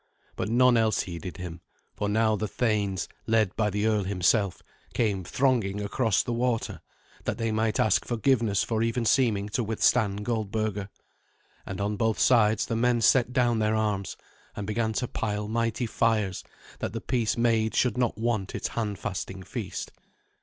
But none else heeded him, for now the thanes, led by the earl himself, came thronging across the water, that they might ask forgiveness for even seeming to withstand Goldberga. And on both sides the men set down their arms, and began to pile mighty fires, that the peace made should not want its handfasting feast.